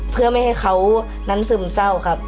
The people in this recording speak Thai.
เพื่อไม่ให้เขานั้นซึมเศร้าครับ